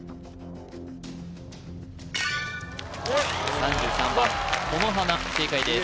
３３番このはな正解です・